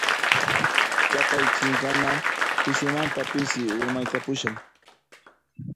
Chaqay chinkana pisimanta pisi urmaykapushan.